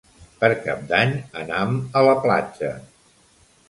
Per Cap d'Any anam a la platja.